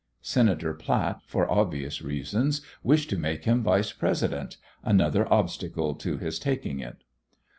Senator Platt, for obvious reasons, wished to make him Vice President, another obstacle to his taking it.